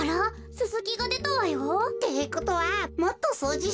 ススキがでたわよ。ってことはもっとそうじしたら。